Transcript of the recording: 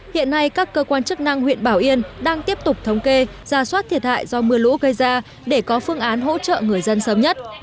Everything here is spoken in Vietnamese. hiện nay các cơ quan chức năng huyện bảo yên đang tiếp tục thống kê ra soát thiệt hại do mưa lũ gây ra để có phương án hỗ trợ người dân sớm nhất